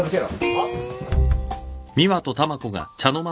はっ？